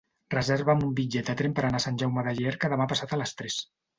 Reserva'm un bitllet de tren per anar a Sant Jaume de Llierca demà passat a les tres.